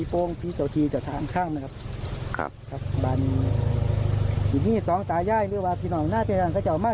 เขารถไม่โครวมาทำร่องน้ำอ่ะ